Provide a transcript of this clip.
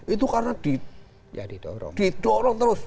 itu karena didorong terus